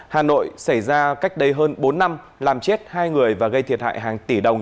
hà nội xảy ra cách đây hơn bốn năm làm chết hai người và gây thiệt hại hàng tỷ đồng